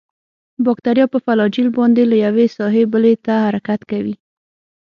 باکتریا په فلاجیل باندې له یوې ساحې بلې ته حرکت کوي.